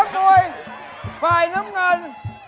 น้องมวยฝ่ายน้ำเงิน